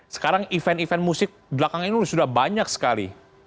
sekarang event event musik belakang ini sudah banyak sekali